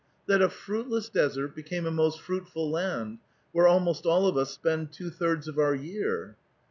*' That a fruitless desert became a most fruitful land, where almost all of us spend two thirds of our year."